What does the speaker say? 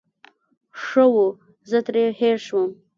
ښه وو، زه ترې هېر شوم.